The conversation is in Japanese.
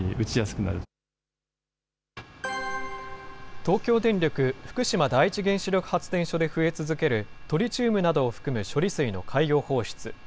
東京電力福島第一原子力発電所で増え続けるトリチウムなどを含む処理水の海洋放出。